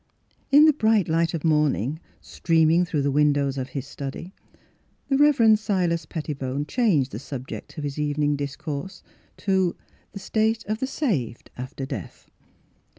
In the bright light of morning, stream ing through the windows of his study, the Rev. Silas Pettibone changed the subject of his evening discourse to " The State of the Saved after Death."